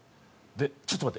「ちょっと待って。